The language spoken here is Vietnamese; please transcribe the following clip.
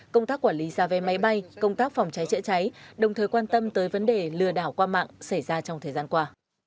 công tác quản lý xa vé máy bay công tác phòng cháy chữa cháy đồng thời quan tâm tới vấn đề lừa đảo qua mạng xảy ra trong thời gian qua